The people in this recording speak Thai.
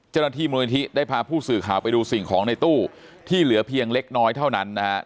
เจ้าหน้าที่มูลนิธิได้พาผู้สื่อข่าวไปดูสิ่งของในตู้ที่เหลือเพียงเล็กน้อยเท่านั้นนะครับ